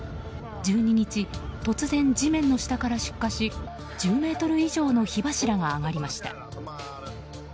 １２日、突然地面の下から出火し１０ｍ以上の火柱が上がりました。